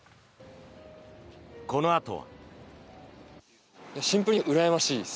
このあとは。